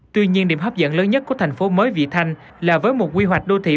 tuy nhiên điểm hấp dẫn lớn nhất của thành phố mới vị thanh là với một quy hoạch đô thị